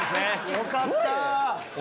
よかった！